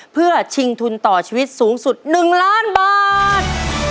เพื่อชิงทุนต่อชีวิตสูงสุด๑ล้านบาท